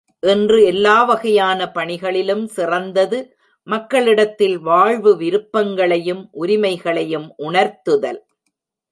இன்று எல்லா வகையான பணிகளிலும் சிறந்தது, மக்களிடத்தில் வாழ்வு விருப்பங்களையும் உரிமைகளையும் உணர்த்துதல்.